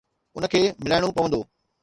ان کي ملائڻو پوندو.